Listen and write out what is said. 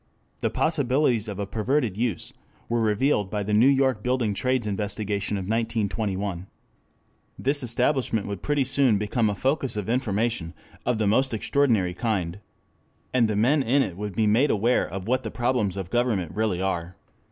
The possibilities of a perverted use were revealed by the New York Building Trades investigation of 1921.] This establishment would pretty soon become a focus of information of the most extraordinary kind. And the men in it would be made aware of what the problems of government really are.